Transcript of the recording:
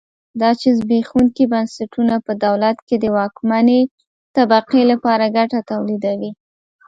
دا چې زبېښونکي بنسټونه په دولت کې د واکمنې طبقې لپاره ګټه تولیدوي.